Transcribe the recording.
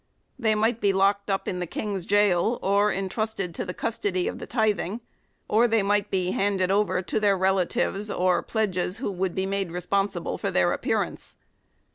They might be locked up in the the King's gaol or entrusted to the custody of the tithing ; or they might be handed over to their relatives or pledges who would be made responsible for their appearance.